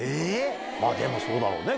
でもそうだろうね。